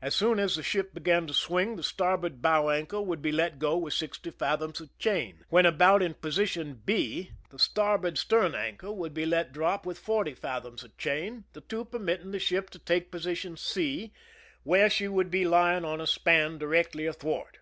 As soon as the ship began to swing, the starboard bow anchor would be let go with sixty fathoms of chain ; when about in position B, the starboard stern anchor 22 THE SCHEME AND THE PEEPABATIONS would be let drop with forty fatlionis of chain, the two permitting the ship to take position 0, where she would be hdiig on a span directly athwart.